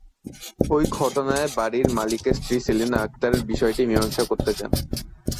ওই ঘটনায় বাড়ির মালিকের স্ত্রী সেলিনা আক্তার বিষয়টি মীমাংসা করতে যান।